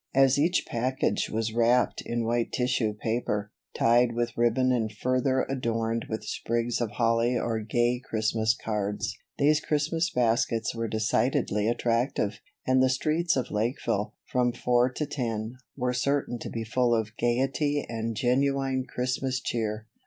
As each package was wrapped in white tissue paper, tied with ribbon and further adorned with sprigs of holly or gay Christmas cards, these Christmas baskets were decidedly attractive; and the streets of Lakeville, from four to ten, were certain to be full of gayety and genuine Christmas cheer.